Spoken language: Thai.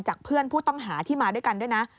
เพื่อนผู้ต้องหาที่มาด้วยกันด้วยนะ